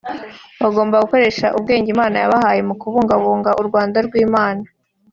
bagomba gukoresha ubwenge Imana yabahaye mu kubungabunga u Rwanda rw’ Imana